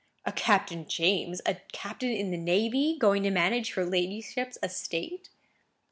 "A Captain James! A captain in the navy! going to manage your ladyship's estate!"